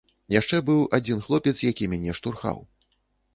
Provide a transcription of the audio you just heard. Яшчэ быў адзін хлопец, які мяне штурхаў.